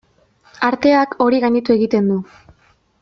Arteak hori gainditu egiten du.